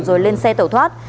rồi lên xe tẩu thoát